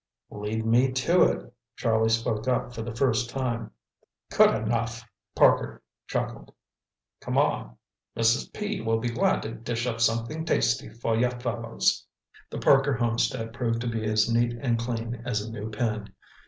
"Lead me to it," Charlie spoke up for the first time. "Good enough!" Parker chuckled. "Come on, Mrs. P. will be glad to dish up something tasty for you fellows." The Parker homestead proved to be as neat and clean as a new pin.